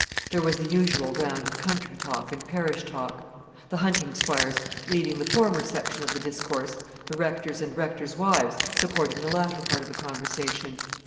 There was the usual round of country talk and parish talk; the hunting squires leading the former section of the discourse, the rectors and rectors' wives supporting the latter part of the conversation.